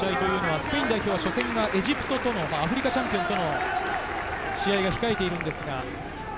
スペイン代表は初戦がエジプトとの、アフリカチャンピオンとの試合が控えています。